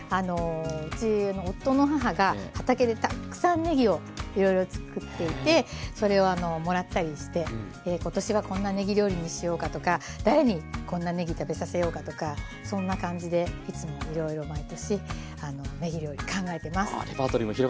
ねぎをいろいろ作っていてそれをもらったりして今年はこんなねぎ料理にしようかとか誰にこんなねぎ食べさせようかとかそんな感じでいつもいろいろ毎年ねぎ料理考えてます。